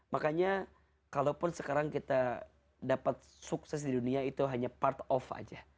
makanya kalaupun sekarang kita dapat sukses di dunia itu hanya part off aja